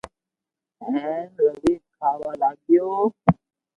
ھين روي کاھ وا لاگيو